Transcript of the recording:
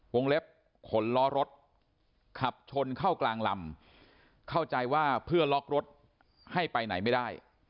เล็บขนล้อรถขับชนเข้ากลางลำเข้าใจว่าเพื่อล็อกรถให้ไปไหนไม่ได้